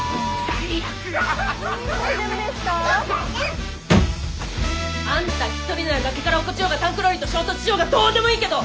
大丈夫ですか？あんた一人なら崖から落っこちようがタンクローリーと衝突しようがどうでもいいけど！